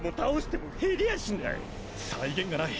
際限がない。